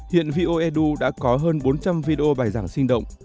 hiện voedu đã có hơn bốn trăm linh video bài giảng sinh động